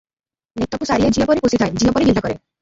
ନେତକୁ ସାରିଆ ଝିଅପରି ପୋଷିଥାଏ, ଝିଅପରି ଗେହ୍ଲା କରେ ।